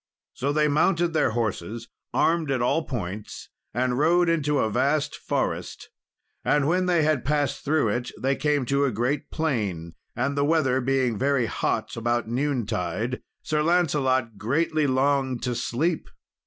So they mounted their horses armed at all points and rode into a vast forest; and when they had passed through it, they came to a great plain, and the weather being very hot about noontide, Sir Lancelot greatly longed to sleep.